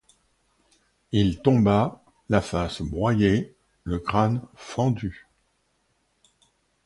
Il tomba, la face broyée, le crâne fendu.